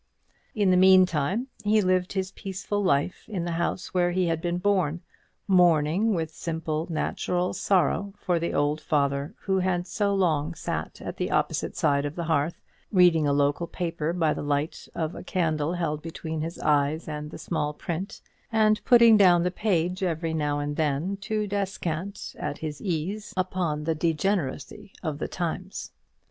In the meantime he lived his peaceful life in the house where he had been born, mourning with simple, natural sorrow for the old father who had so long sat at the opposite side of the hearth, reading a local paper by the light of a candle held between his eyes and the small print, and putting down the page every now and then to descant, at his ease, upon the degeneracy of the times.